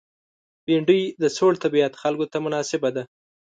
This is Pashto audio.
بېنډۍ د سوړ طبیعت خلکو ته مناسبه ده